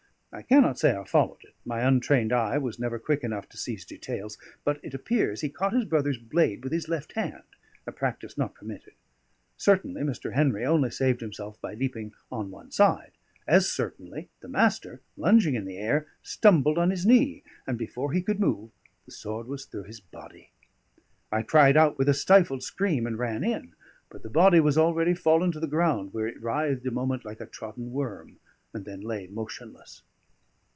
I cannot say I followed it, my untrained eye was never quick enough to seize details, but it appears he caught his brother's blade with his left hand, a practice not permitted. Certainly Mr. Henry only saved himself by leaping on one side; as certainly the Master, lungeing in the air, stumbled on his knee, and before he could move, the sword was through his body. I cried out with a stifled scream, and ran in; but the body was already fallen to the ground, where it writhed a moment like a trodden worm, and then lay motionless.